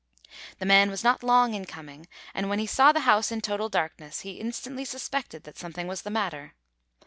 The man was not long in coming, and when he saw the house in total darkness he instantly suspected that something was the matter.